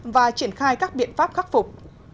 và triển khai các biện pháp khắc phục